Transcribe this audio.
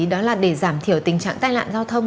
đó là để giảm thiểu tình trạng tai nạn giao thông